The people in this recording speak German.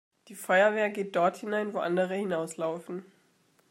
Die Feuerwehr geht dort hinein, wo andere hinauslaufen.